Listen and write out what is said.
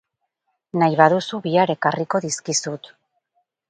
Nahi baduzu bihar ekarriko dizkizut.